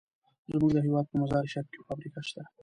زمونږ د هېواد په مزار شریف کې فابریکه شته.